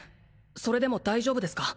それでも大丈夫ですか？